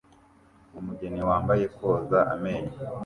Umugeni wambaye koza amenyo